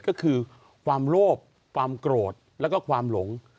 ก็คือความโลภความโกรธแล้วก็ความหลง